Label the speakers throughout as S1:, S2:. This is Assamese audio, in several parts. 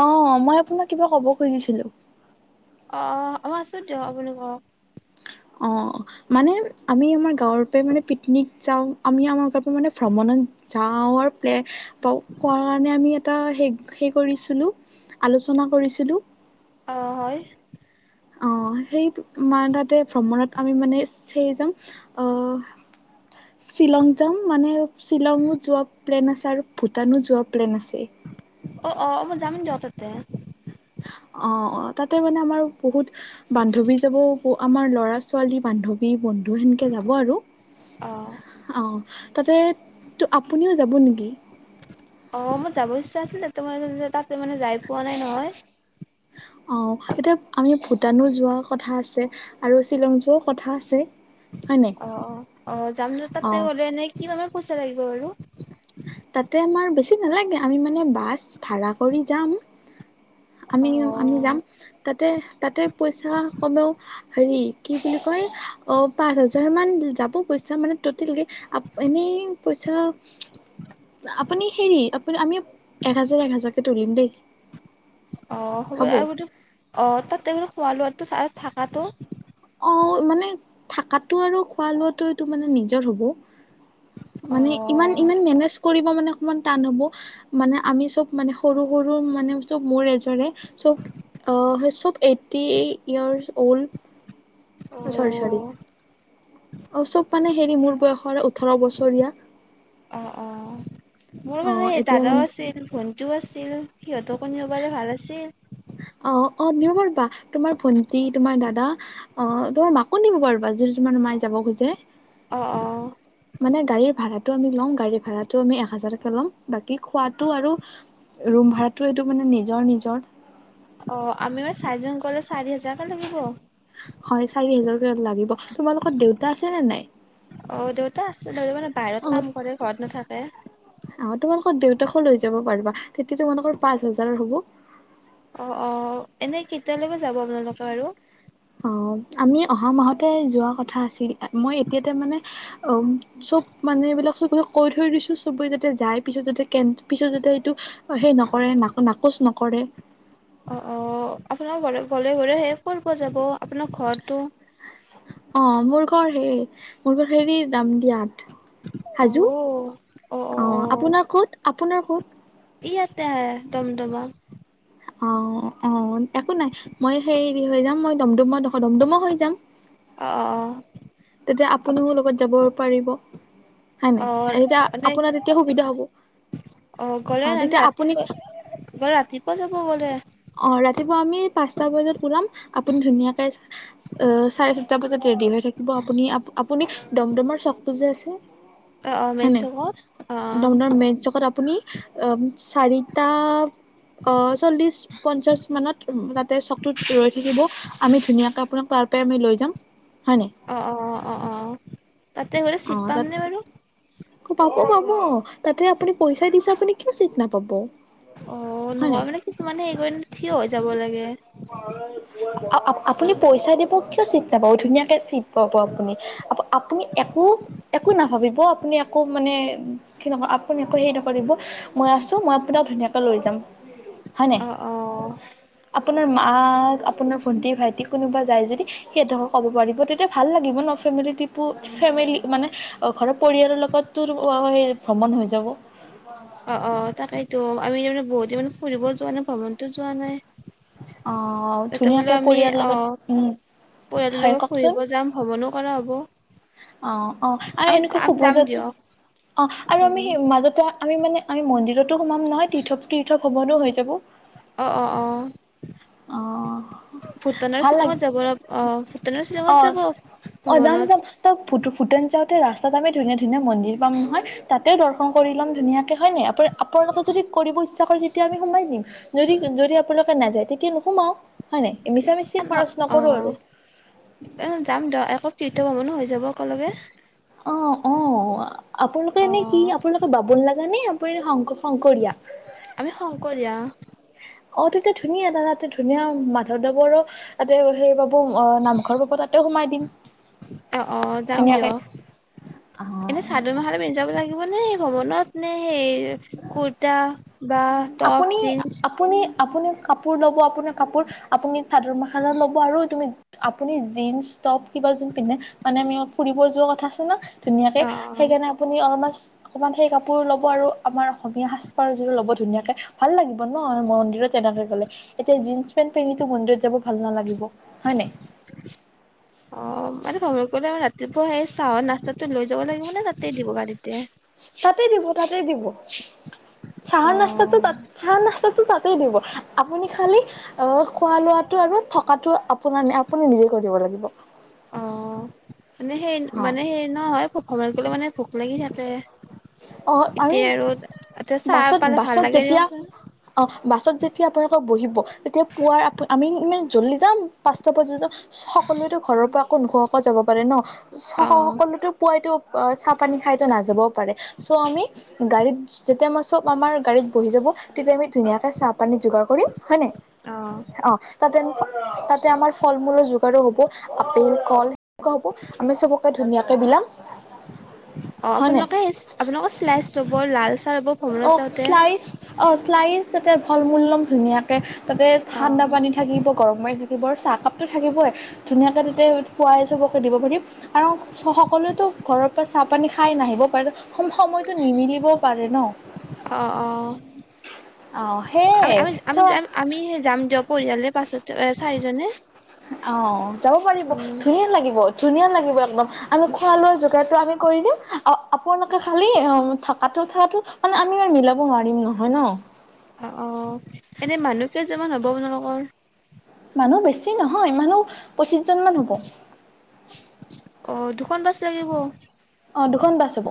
S1: অ মই আপোনাক কিবা ক'ব খুজিছিলো
S2: অ অ আছো দিয়ক আপুনি কক
S1: অ মানে আমি আমাৰ গাঁৱৰ পৰা মানে পিকনিক যাওঁ আমি আমাৰ গাঁৱৰ পৰা মানে ভ্ৰমণত যাওঁ [unintelligible] কাৰণে আমি এটা কৰিছিলো সেই কৰিছিলো আলোচনা কৰিছিলো
S2: অ হয়
S1: অ সেই মান তাতে ভ্ৰমণত আমি মানে সেই যাম আহ শ্বিলং যাম মানে শ্বিলঙো যোৱা প্লেন আছে আৰু ভূটানো যোৱা প্লেন আছে
S2: অ অ অ মই যাম দিয়ক তাতে
S1: অ অ তাতে মানে আমাৰ বহুত বান্ধৱী যাব আমাৰ লৰা ছোৱালী বান্ধৱী বন্ধু সেনেকে যাব আৰু
S2: অ
S1: অ' তাতে তো আপুনিও যাব নেকি
S2: অ মোৰ যাব ইচ্ছা আছিলে তো মই তাক মানে যাই পোৱা নাই নহয়
S1: অ এতিয়া আমি ভূটানো যোৱা কথা আছে আৰু শ্বিলং যোৱাও কথা আছে হয় নাই?
S2: অ অ অ যাম দ তাতে
S1: অ'
S2: গ'লে এনে কিমাণ মান পইচা লাগিব বাৰু
S1: তাতে আমাৰ বেছি নালাগে আমি মানে বাছ ভাড়া কৰি যাম
S2: অ
S1: আমি আমি যাম তাত তা তাতে পইচা কমেও হেৰি কি বুলি কয় পাঁচ হাজাৰ মান যাব পইচা মানে ট'টেল এনেই পইচা আপুনি হেৰি আপু আমি এক হাজাৰ এক হাজাৰকে তুলিম দেই
S2: অ হব আৰু অ তাত খোৱা লোৱা [unintelligible]
S1: অ মানে থাকাতটো আৰু খোৱা লোৱাাতটো মানে নিজৰ হ'ব
S2: অ
S1: মানে ইমান ইমান মেনেছ কৰিব মানে অকমান টান হ'ব মানে আমি চব মানে সৰু সৰু মানে চব মোৰ এজৰে চব চব এইটটি ইয়াৰ্চ ঊল অ চৰী চৰী অ চব মানে হেৰি মোৰ বয়সৰ ওঠৰ বছৰীয়া
S2: অ অ মোৰ
S1: অ
S2: মানে
S1: এতিয়া মানে
S2: দাদাও আছিল ভোন টো আছিল, সিহঁত [unintelligible] পালে ভাল আছিল।
S1: অঁ অ' নিব পাৰিবা, তোমাৰ ভন্টি, তোমাৰ দাদা অ তোমাৰ মাকো নিব পাৰিবা, যদি তোমাৰ মায়ে যাব খোজে।
S2: অ অ
S1: মানে গাড়ীৰ ভাৰা টো আমি লওঁ, গাড়ী ভাড়াটো আমি এক হাজাৰকে লওঁ, বাকী খোৱাটো আৰু ৰুম ভাৰাটো এইটো মানে জৰ্ নিজৰ
S2: অ' আমি মানে চাৰিজন গ'লে চাৰি হাজাৰকে লাগিব।
S1: হয় চাৰি হাজাৰকে লাগিব তোমালোকৰ দেউতা আছে নে নাই,
S2: অ দেউতা আছে দেউতা মানে বাহিৰত
S1: অ'
S2: কাম কৰে ঘৰত নাথাকে
S1: আহ তোমালোকৰ দেউতাকো লৈ যাব পাৰিবা। তেতিয়া তোমালোকৰ পাঁচ হাজাৰৰ হ'ব।
S2: অ' অ' এনে কেতিয়ালৈকে যাব আপোনালোকে বাৰু।
S1: অ' আমি অহা মাহতে যোৱা কথা আছিল। মই এতিয়া তে মানে চব মানে এইবিলাক চবকে কৈ থৈ দিছোঁ, চবে যাতে যায় পিছত যাতে কে পিছত যাতে এইটো সেই নকৰে ন নাকচ নকৰে।
S2: অ' অ' আপোনাৰ ঘৰে ঘলে ঘৰে শেষ কৰিব যাব আপোনাৰ ঘৰটো
S1: অ' মোৰ ঘৰ হে মোৰ ঘৰ হেৰি দাম দিয়া
S2: অ
S1: হাজো, অ' আপোনাৰ ক'ত আপোনাৰ ক'ত
S2: ইয়াতে দমডমা।
S1: অ' অ একো নাই মই, হেই হেৰি হৈ যাম মই দমডমা দমডমা হৈ যাম।
S2: অ' অ' - অঁ।
S1: তেতিয়া আপুনিও লগত যাব পাৰিব। হয় নাই
S2: অঁ
S1: এতিয়া
S2: মানে
S1: আপোনাৰ তেতিয়া সুবিধা হ'ব
S2: অ গলে
S1: তেতিয়া
S2: নে
S1: আপুনি
S2: ৰাতিপুৱা গলে ৰাতিপুৱা যাব গলে
S1: পুৱা আমি পাঁচটা বজাত ওলাম। আপুনি ধুনীয়াকে চাৰে তাৰপিছত ৰেডী হৈ থাকিব আপুনি-আপুনি দমদমাৰ চকটো যে আছে
S2: অঁ অ মেইন
S1: হয় নাই
S2: চকত, অঁ।
S1: আপোনাৰ মেথ জকত আপুনি চাৰিটা চল্লিশ অ পঞ্চাছ মানত তাতে চকটোত ৰৈ থাকিব, আমি ধুনীয়াকৈ আপোনাক তাৰ পৰা আমি লৈ যাম, হয়নে।
S2: অ অ অ অ অ। তাতে গ'লে চিট
S1: অঁ, তাত,
S2: পামনে বাৰু
S1: পাব-পাব। তাতে আপুনি পইচা দিচে আপুনি কিয় চিত নাপাব।
S2: অ' নহয় মানে কিছুমানে সেই থিয় হৈ যাব লাগে
S1: আ-আ আপুনি পইচা দিব কিয় চিট নাপাব, ধুনীয়াকে চিত পাব আপুনি, আপুনি একো- একো নাভাবিব আপুনি একো মানে কি নক আপুনি একো হেৰি নকৰিব, মই আছোঁ মই আপোনাক ধুনীয়াকৈ লৈ যাম। হয় নাই।
S2: অ অ
S1: আপোনাৰ মাক আপোনাৰ ভন্টি ভাইটি কোনোবা যায় যদি সিহঁতকো ক'ব পাৰিব তেতিয়া ভাল লাগিব ন ফেমিলি ট্ৰিপো ফেমিলি মানে ঘৰৰ পৰিয়ালৰ লগতো ভ্ৰমণ হৈ যাব
S2: অ অ তাকেইতো আমি তাৰমানে বহুতে মানে ফুৰিবও যোৱা নাই ভ্ৰমণতো যোৱা নাই
S1: আহ
S2: তাতে বোলো
S1: ধুনীয়াকে
S2: আমি
S1: পৰিয়ালৰ
S2: অহ
S1: লগত উম
S2: পৰিয়ালৰ
S1: হয়
S2: লগতে
S1: কওকচোন
S2: ফুৰিব যাম ভ্ৰমণো কৰা হ'ব
S1: অ অ আৰু
S2: আমি
S1: এনেকোৱা
S2: আমি যাম
S1: শুভযাত্ৰা
S2: দিয়ক
S1: অ আৰু আমি
S2: উম
S1: সেই মাজতে আমি মানে আমি মন্দিৰত তো সোমাম নহয় তীৰ্থৱ তীৰ্থক ভ্ৰমনো হৈ যাব
S2: অ অ অ
S1: অ
S2: ভূটানৰ
S1: ভাল লাগে
S2: শ্বিলঙত যাব অহ ভূটানৰ শ্বিলঙত
S1: অ
S2: যাব
S1: অ যাম যাম
S2: ভৱনত
S1: ত ভূ ভূটান যাওঁতে ৰাস্তাত আমি ধুনীয়া ধুনীয়া মন্দিৰ পাম নহয় তাতেও দৰ্শন ল'ম ধুনীয়াকে হয় নাই আ আপোনালোকে যদি কৰিব ইচ্ছা কৰে তেতিয়া আমি সোমাই দিম যদি যদি আপোনালোকে নাযায় তেতি য়া নোসোমাও হয় নাই মিছা মিছি
S2: এ ন
S1: খৰচ
S2: অ
S1: নকৰো আৰু
S2: যাম দ এক ফ্ৰীতে হব ন যাব একেলগে
S1: অ অ আপোনালোকে
S2: অ
S1: এনে কি আপোনালোকৰ বামোন লগা নে পৰি শংক শংকৰীয়া
S2: কৰিয়া
S1: অ তেতিয়া ধুনীয়া দা তাতে ধুনীয়া মাধৱদৱৰো তাতে সেই পাম অ নামঘৰ বাব তাতে সোমাই দিম
S2: অ অ যাম
S1: ধুনীয়াকে
S2: দিয়ক
S1: অহ
S2: এনে চাদৰ মেখেলা পিন্ধি যাব লাগিব নে ভ্ৰমনত নে কুৰ্তা বা টপ
S1: আপুনি
S2: জিনস
S1: আপুনি আপুনি কাপোৰ ল'ব, আপোনাৰ কাপোৰ, আপুনি চাদৰ মাখানো ল'ব আৰু তুমি আপুনি জিন্স টপ কিবা যোন পিন্ধে মানে আমি ফুৰিব যোৱা কথা আছে ন ধুনীয়াকে
S2: অ অ
S1: সেইকাৰণে আপুনি অলমষ্ট অকমান সেই কাপোৰ ল'ব, আৰু আমাৰ অসমীয়া সাজ পাৰযোৰো ল'ব ধুনীয়াকে ভাল লাগিব ন মন্দিৰত তেনেকে গ'লে এতিয়া জিন্স পেণ্ট পিন্ধিটো মন্দিৰত যাব ভাল নালাগিব। হয় নাই
S2: অ মানে সময় কৰিলে ৰা তি পুৱা সেই চাহৰ নাস্তাটো টো লৈ যাব লাগিব নে তাতেই দিব গাড়ীতে
S1: তাতে দিব, তাতে দিব।
S2: অ
S1: চাহৰ নাস্তাটো তাত চাহ নাস্তাটো তাতেই দিব। আপুনি খালি অ খোৱা লোৱাতটো আৰু থকাতটো আপোনাৰ ন আপুনি নিজে কৰি দিব লাগিব।
S2: অ মানে সেই
S1: অ
S2: মানে হেৰি নহয় ভ্ৰমণত গলে মানে ভোক লাগি থাকে
S1: অ, আমি
S2: এতিয়া আৰু এতিয়া চাহ
S1: বাছত,
S2: পালে ভাল
S1: বাছত
S2: লাগে
S1: যেতিয়া,
S2: দিয়কচোন
S1: অ, বাছত যেতিয়া আপোনালোকৰ বহিব, তেতিয়া পুৱাৰ আমি ইানে জলদি যাম, পাঁচটা পৰ্যন্ত সকলোৱেতো ঘৰৰ পৰা আকৌ নোখোৱাকে, যাব পাৰে ন।
S2: অ
S1: সকলোতো পুৱাই চাহ পানী নাযাবও পাৰে, চ' আমি গাড়ীত যেতিয়া, মই চব আমাৰ, গাড়ীত বহি যাব, তেতিয়া আমি ধুনীয়াকৈ চাহপানী যোগাৰ কৰি হয় নাই?
S2: অ
S1: অ তাতে তাতে আমাৰ ফল মূলৰ যোগাৰো হব আপেল কল সেনেকুৱা হ'ব আমি চবকে ধুনীয়াকে বিলাম
S2: উম অ,
S1: হয় নাই
S2: আপোনালোকে, আপোনালোকৰ চলাইচ ল'ব, লাল চাহ ল'ব,
S1: অ
S2: ভ্ৰমনত যাওঁতে।
S1: শ্লাইচ অ শ্লাইচ তাতে ফল, মূল লম ধুনীয়াকে। তাতে
S2: অ
S1: ঠাণ্ডা পানী থাকিব গৰম মাৰ থাকিব আৰু চাহকাপটো থাকিবই ধুনীয়াকে তাতে পুৱাই চবকে দিব পাৰিম আৰু সকলোৱে ঘৰৰ পৰা চাহ পানী খাই নাহিব পাৰে সময়তটো নিমিলিবও পাৰে ন,
S2: অ অ
S1: আ,
S2: আমি
S1: সেই,
S2: আমি আমি
S1: চোৱা
S2: আমি যাম দিয়ক পৰিয়ালে পাছত এ চাৰিজনে
S1: অ, যাব পাৰিব,
S2: উম
S1: ধুনীয়া লাগিব। ধুনীয়া লাগিব, একদম আমি খোৱা, লোৱা যোগাৰটো আমি কৰি দিম আপোনালোকে খালি থকাতো থকা মানে আমি মিলাব নোৱাৰিম নহয় ন
S2: অ, অ, এনে মানুহ কেইজনামান হ'ব আপোনালোকৰ।
S1: মানুহ বেছি নহয় মানুহ পঁচিছজনমান হ'ব।
S2: অ, দুখন বাছ লৈ লব
S1: অ, দুখন বাছ হ'ব,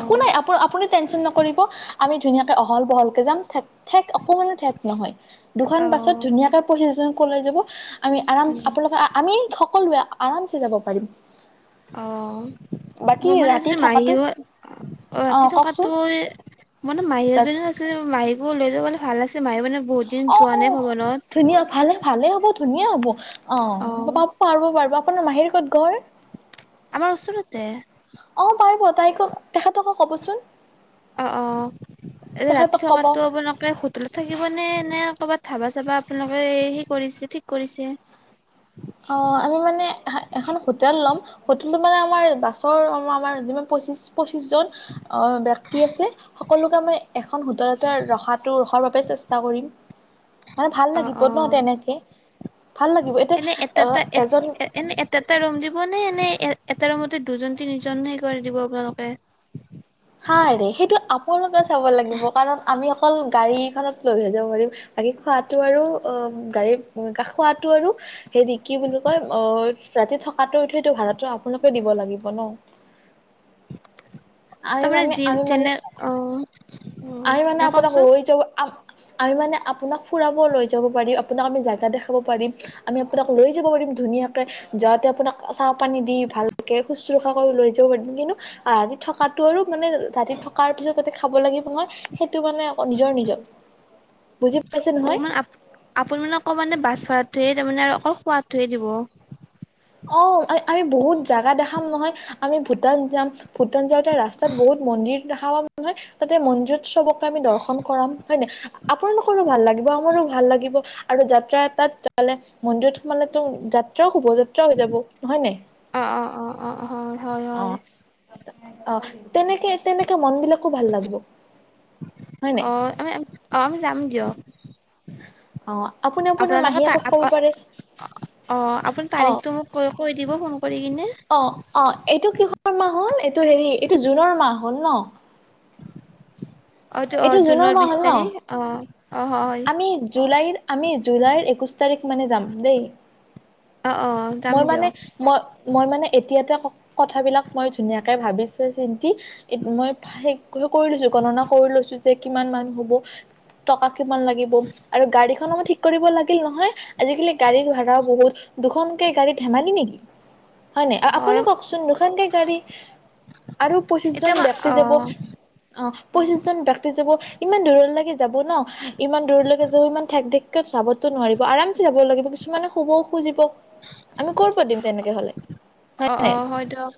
S1: একো নাই আপ, আপুনি টেনচন নকৰিব। আমি ধুনীয়াকে, অহল, বহলকে যাম থা ঠেক অকমানো ঠেক নহয় দুখন বাছত
S2: অ',
S1: ধুনীয়াকে বহি জাম কলাই যাব। আমি আৰাম
S2: উম,
S1: আপোনালোকে আমি সকলোৱে আৰামছে, যাব পাৰিম।
S2: অ।
S1: বাকী
S2: মোৰ মানে
S1: ৰাতি
S2: এজনী মাহী
S1: থকাটো অ
S2: ৰাতি
S1: কওকচোন
S2: থকাতো মোৰে মাহী এজনীও আছিল মাহী গ লৈ যাবলে ভাল আছে
S1: অ অ ধুনীয়া ভালে ভালে হ'ব ধুনীয়া হ'ব অ পাব পাৰ পাৰিবা আপোনাৰ মাহীৰ কত ঘৰ?
S2: আমাৰ ওচৰতে
S1: অ পাৰিব তাইকো তেখেতক কবচোন
S2: অ, অ, এ ৰাতি
S1: তেখেতক ক'ব
S2: থকাতো, আপোনোকে হোটেলত থাকিব নে, কবাট ধাবা, চাবা আপোনালোকে, সে কৰিছে, ঠিক কৰিছে।
S1: অ আমি মানে এখন হোটেল ল'ম হোটেল মানে আমাৰ বাছৰ আমাৰ পচিচ পঁচিশ জন, আ, ব্যক্তি আছে। সকলোকে মানে এখন হোটেল এটা ৰখাটো ৰখাৰ বাবে চেষ্টা কৰিম। মানে ভাল
S2: অ',
S1: লাগিব নহ
S2: অ',
S1: তেনেকে ভাল লাগিব এতিয়া
S2: এ, এটা,
S1: অ
S2: এ,
S1: এজন
S2: এ, এনে এটা, এটা, ৰুম দিব নে? মানে এ এটা ৰুমতে দুজন তিনিজনহে কৰি দিব আপোনালোকে
S1: হা ৰে সেইটো আপোনালোকে চাব লাগিব কাৰণ আমি অকল গাড়ীখনত লৈ, হে যাব পাৰিম। বাকী খোৱাটো আৰু অ, গাড়ী খোৱাতটো আৰু হেৰি কি বুলি কয়, অ, ৰাতি থকাটো, সেইটো ভাড়াটো আপোনালোকে দিব লাগিব ন। আমি
S2: তাৰমানাৰ
S1: মানে
S2: যি
S1: আমি মানে
S2: চেনেল অ
S1: আমি মানে আপোনাক
S2: দেখওকচোন
S1: লৈ যাব আমি মানে, আপোনাক ফুৰাব লৈ যাব পাৰিম, আপোনাক আমি জাগা দেখাব পাৰিম, আমি আপোনাক লৈ যাব পাৰিম, ধুনীয়াকে যাওঁতে আপোনাক চাহ, পানী দি ভালকে শুশ্ৰূষা কৰি লৈ যাব পাৰিম। কিন্তু থকা কটো আৰু মানে ৰাতি থকাৰ পিছত তাতে খাব লাগিব নহয়েই টো মানে নিজৰ নিজৰ বুজি পাইছে
S2: অ
S1: নহয়?
S2: মানে বাছ ভাড়াটোহে ধয়ে তাৰ মানে আৰু অকল সোৱা টো হে দিব
S1: অ আমি বহুত জাগা দেখাম নহয় আমি ভূটান যাম। নতন যাওঁতে ৰাস্তাত বহুত মন্দিৰ দেখা পাম নহয়, তাতে মন্দিৰত চবকে আমি দৰ্শন কৰাম হয় ন আপোনালোকৰো ভাল লাগিব আমাৰো ভাল লাগিব আৰু যাত্ৰা এ তাতালে মন্দিৰত সোমালেত তো যাত্ৰাও হুভ য হৈ যাব নহয় নাই
S2: অ অ অ অ হয় হয় হয়।
S1: অ', অ তেনেকে তেনেকে মন বিলাক
S2: অ
S1: নাই?
S2: আমি অ আমি যাম দিয়ক উ
S1: অ', আপুনি আপোনাৰ
S2: আপোনালোকৰ তাৰ
S1: মাহীয়েকক ক'ব পাৰে
S2: অ আপোনাৰ
S1: অ',
S2: তাৰিখটো মোক কৈ কৈ দিব মোক
S1: অ অ এইটো কিহৰ মাহ হল এইটো হেৰি এইটো জুনৰ মাহ। হল ন
S2: অটো অ
S1: এইটো
S2: জুনৰ
S1: মাহ
S2: বিশ
S1: হ'ল ন?
S2: তাৰিখ অ অ। হয়
S1: আমি জুলাইৰ আমি জুলাইৰ একৈশ তাৰিখ মানে যাম দেই,
S2: অ অ যাম
S1: মই মানে
S2: দিয়ক
S1: মই মই মানে এতিয়াতে কথাবিলাক মই ধুনীয়াকে ভাবিছো চিন্তি, মই সেই কৰি লৈছো গণনা কৰি লৈছো, যে কিমান মানুহ হ'ব টকা, - কিমান লাগিব আৰু গাড়ীখনো ঠিক কৰিব লাগ, কিল নহয়। আজিকালি গাড়ীৰ ভাড়াও বহুত। দুখনকে গাড়ী ধেমালি নেকি? হয় নাই আপুনি ককচোন দুখনকে,? গাড়ী, আৰু পঁচিশ জন
S2: এতিয়া মই
S1: ব্যক্তি
S2: অ
S1: যাব অ', পঁচিশ জন ব্যক্তি যাব ইমান দূৰৰ লাগে, যাব ন' ইমান দূৰলৈকে যাব ইমান ঠেক দেক, যাবতো নোৱাৰিব আৰাম চে যাব লাগিব কিছুমানে শুবও খুজিব। আমি কৰ পা দিম তেনেকে হলে হয়
S2: অ অ
S1: নাই?
S2: হয় দিয়ক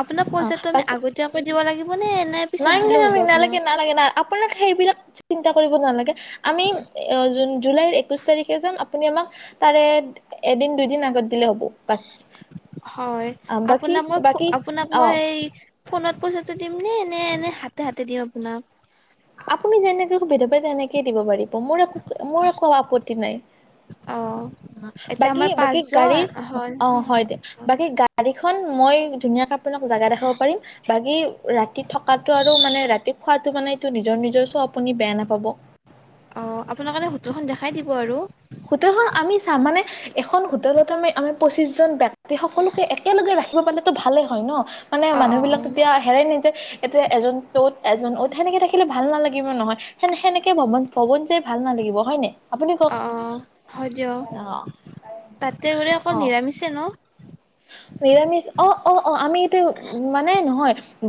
S2: আপোনাক
S1: অ'
S2: পইচাটো আমি
S1: বাকী
S2: আগতীয়াকৈ দিব লাগিবনে নে পিছত
S1: নাইগে
S2: দিলেও হ'ব আপোনাক
S1: নালাগে- নালাগে না আপোনাক সেইবিলাক, চিন্তা কৰিব নালাগে। আমি অ, জুন, জুলাইৰ একুইছ তাৰিখে যাম আপুনি আমাক তাৰে এদিন দুইদিন আগত, দিলে হ'ব বাছ
S2: হয়,
S1: বাকী
S2: আপোনাক মই
S1: বাকী
S2: আপোনাক
S1: অ
S2: মই ফোনত পইচাটো দিম নে, নে এনে, হাতে- হাতে দিওঁ আপোনাক?
S1: আপুনি যেনেকে সুবিধা পাই তেনেকে দিব পাৰি। মোৰ একো মোৰ একো আপত্তি নাই,
S2: অ এতিয়া
S1: বাকী
S2: আমাৰ
S1: - বাকী
S2: পাঁচজন
S1: গাড়ীৰ
S2: হয়
S1: অ 'হয়দে, বাকী গাড়ী। এখন মই ধুনীয়া কাপোৰ, আপোনাক জাগা দেখাব পাৰিম বাকী ৰাতি থকাটো আৰু মানে ৰাতি খোৱাত, ইটোমানে কিন্তু নিজৰ- নিজৰ চ' আপুনি বেয়া নাপাব।
S2: অ' আপোনাক এনে হোটেলখন দেখাই দিব আৰু।
S1: হোটেলখন আমি চাম মানে এখন হোটেলত আমি আমাৰ পঁচিছজন বে, তাতে সকলোকে একেলগে ৰাখি, ৰাখিব পাৰলেটো ভালে হয় ন' মানে
S2: অ অ
S1: মানুহ বিলাক তেতিয়া হেৰাই ন, এতিয়া এজন ত'ত এজন অত সেনেকে থাকিলে ভাল নালাগিব নহয় সে -সেনেকে ভৱন -ভৱন যায় ভাল নালাগিব হয়নে? আপুনি ক'ক?
S2: অ অ অ', হয় দিয়া অ 'তাতে বোলে অকল
S1: অ অ
S2: নিৰামিষে ন'?
S1: নিৰামিষ অ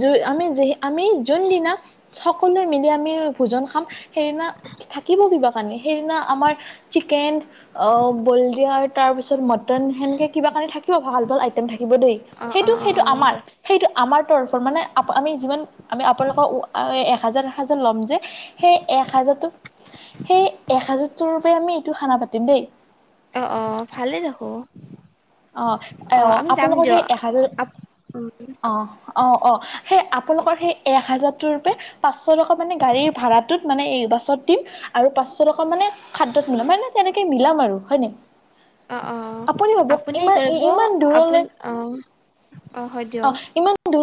S1: জু আমি যিহে, আমি যোনদিনা, সকলোৱে মিলি আমি ভোজন খাম সেইদিনা থাকিব কিবা কাৰণে সেইদিনা আমাৰ চিকেন বলডিয়াৰ তাৰপিছত ম সেনেক কিবাানি থাকে ভাল ভ আইম থাকিব দেই
S2: অ অ
S1: সেইটো
S2: অ
S1: সেইটো
S2: অ
S1: আমাৰ সেইটো আমাৰ তৰফৰ মানে আমি যিমান আমি আপোনালোকৰ এ হাজাৰ এাজাৰ ল'ম যে সেই এক হাজাৰটো সেই এক হাজাৰটোৰ বাবে আমি এইটো খানা পাতিম দেই
S2: অ অ ভালেই ৰাখো
S1: অ অ আপোনালোকৰ সেই এহাজাৰ
S2: আপ উম
S1: অ অঁ অঁ সেই আপোনালোকৰ সেই এক হাজাৰটোৰ পাঁ মান গাড়ীৰ ভা়াটোত মানে বাছত দিম আৰু পাঁচশ টকা মানে খাদ্্যত মিলাম মে তেনেকে মিলাম আৰু হয় নে
S2: অ অ অ আপুনি কৰিব
S1: ইমান
S2: আপু
S1: দূৰলে
S2: অ অঁ হয় দিয়ক
S1: দ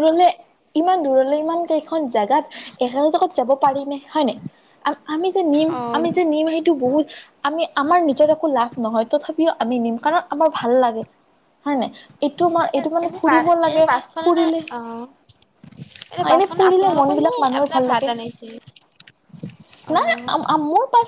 S1: ইমান দূৰলৈ ইমান এখন জোগাত এ যাব পাৰি ন হয় ন আমি যে নিম
S2: অ
S1: আমি যে নিম সেইটো বহুত আমি আমাৰ নিজৰ একো লাভ নহয় তথাপি ও আমি নিম কাৰণ আমাৰ ভাল লাগে হয় নাই এইটো মাৰ
S2: এনে
S1: এইটো মানে
S2: এনে বা
S1: ফুৰিব
S2: এনে
S1: লাগে
S2: বাছখনে নে
S1: ফুৰিলে
S2: অ
S1: এনে
S2: বাছখন
S1: ফুৰিলে মন
S2: আপোনালোকৰ
S1: বিলাক
S2: নে
S1: মানুহৰ ভাল
S2: আপোনাৰ
S1: লাগে
S2: ভাড়াত আনিছে?
S1: নাই
S2: অ'।
S1: মোৰ পাছ